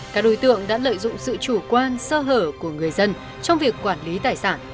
các đối tượng đã lợi dụng sự chủ quan sơ hở của người dân trong việc quản lý tài sản